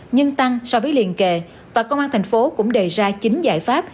nhưng tăng so với liên kề và công an tp hcm cũng đề ra chín giải pháp